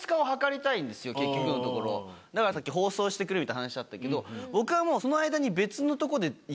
結局のところだからさっき包装してくれるみたいな話あったけど僕はもうその間に。